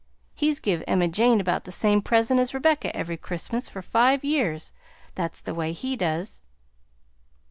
He's give Emma Jane about the same present as Rebecca every Christmas for five years; that's the way he does."